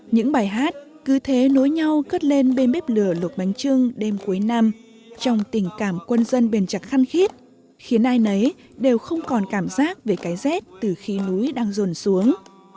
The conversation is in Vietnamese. những bài hát cứ thế nối nhau cất lên bên bếp lửa luộc bánh trưng đêm cuối năm trong tình cảm quân dân bền chặt khăn khiết khiến ai nấy đều không còn cảm giác về cái rét từ khi núi đang rồn xuống